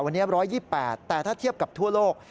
วันนี้๑๒๘แต่ถ้าเทียบกับทั่วโลก